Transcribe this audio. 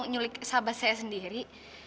nyulik sahabat saya sendiri